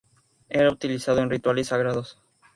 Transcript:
Era utilizado en rituales sagrados.